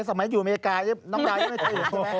สมัยอยู่อเมริกาน้องดาวยังไม่ใช่อยู่ใช่ไหม